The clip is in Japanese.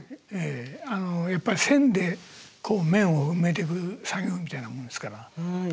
やっぱり線で面を埋めてく作業みたいなもんですから。